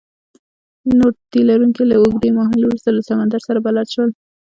نور تي لرونکي له اوږدې مودې وروسته له سمندر سره بلد شول.